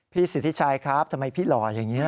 สิทธิชัยครับทำไมพี่หล่ออย่างนี้นะ